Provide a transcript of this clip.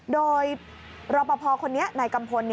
โดยรอปภคนนี้นายกัมพล